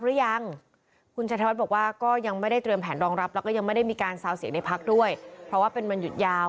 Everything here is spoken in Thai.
ก็ยังคงเชื่อมั่นอยู่ว่าถ้าแปดพักจับมือกันแน่นพอการจัดตั้งรัฐบาลจะเกิดขึ้นได้ยากหรือง่ายลองไปฟังนะครับ